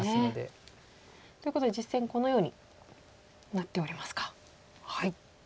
ということで実戦このようになっておりますか。